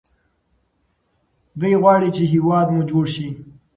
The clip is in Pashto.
دی غواړي چې هیواد مو جوړ شي.